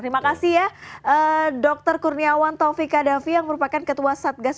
terima kasih ya dr kurniawan taufika davi yang merupakan ketua satgas